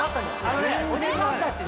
おじさんたちね